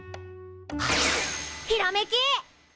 ひらめきっ！